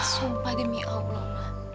sumpah demi allah ma